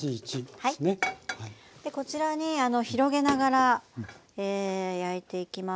こちらにあの広げながらえ焼いていきます。